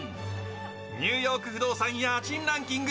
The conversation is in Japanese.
ニューヨーク不動産家賃ランキング